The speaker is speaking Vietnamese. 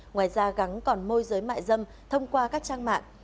ngoài ra gắn còn môi giới mại dâm thông qua các trang mạng